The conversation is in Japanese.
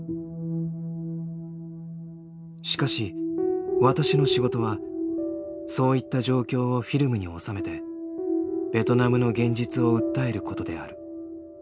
しかし私の仕事はそういった状況をフィルムに収めてベトナムの現実を訴えることである。